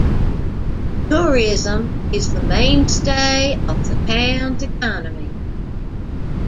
Tourism is the mainstay of the town's economy.